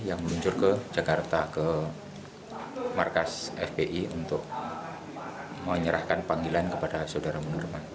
yang meluncur ke jakarta ke markas fpi untuk menyerahkan panggilan kepada saudara munirman